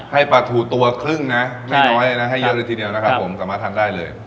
ให้ปลาถูตัวครึ่งนะไม่น้อยเลยนะให้เยอะเลยทีเดียวนะครับผมสามารถทานได้เลย